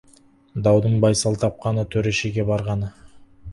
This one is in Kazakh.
Даудың байсал тапқаны — төрешіге барғаны.